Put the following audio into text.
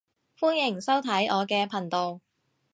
歡迎收睇我嘅頻道